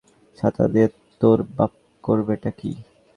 আরে যেখানে বৃষ্টিই হয় না, সেখানে ছাতা নিয়ে তোর বাপ করবেটা কী?